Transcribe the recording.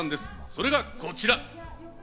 それがこちら。